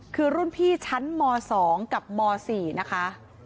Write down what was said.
คือรุ่นพี่ชั้นม๒กับม๔นะคะ